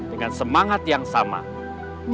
dengan semangat yang sangat baik